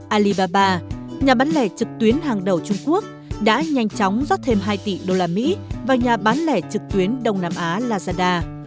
alibaba nhà bán lẻ trực tuyến hàng đầu trung quốc đã nhanh chóng rót thêm hai tỷ usd vào nhà bán lẻ trực tuyến đông nam á lazada